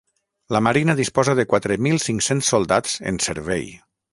La marina disposa de quatre mil cinc-cents soldats en servei.